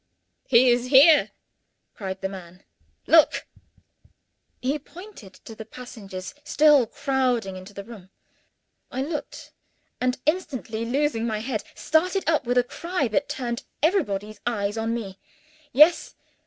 "He is here!" cried the man. "Look!" He pointed to the passengers still crowding into the room. I looked; and, instantly losing my head, started up with a cry that turned everybody's eyes on me. Yes!